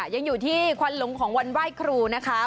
ยังอยู่ที่ควันหลงของวันไหว้ครูนะคะ